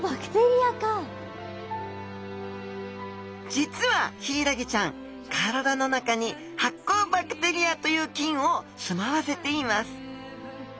実はヒイラギちゃん体の中に発光バクテリアという菌を住まわせています。